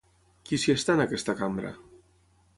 Qui s'hi està en aquesta cambra?